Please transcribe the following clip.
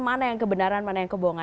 mana yang kebenaran mana yang kebohongan